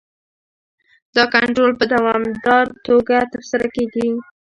دا کنټرول په دوامداره توګه ترسره کیږي.